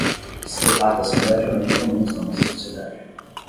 Psicopatas são relativamente comuns na nossa sociedade